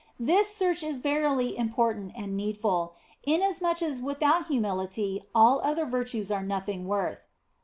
This search is verily important and needful, in asmuch as without humility all other virtues are nothing worth.